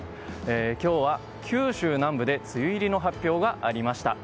今日は九州南部で梅雨入りの発表がありました。